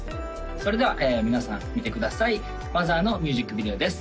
それでは皆さん見てください「マザー」のミュージックビデオです